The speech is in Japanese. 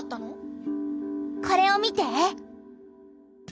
これを見て！